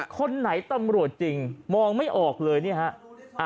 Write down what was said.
คนไหนตำรวจจริงมองไม่ออกเลยนี่ฮะ